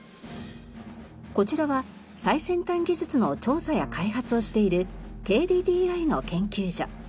こちらは最先端技術の調査や開発をしているＫＤＤＩの研究所。